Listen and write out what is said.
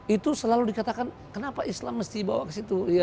itu selalu dikatakan kenapa islam mesti bawa ke situ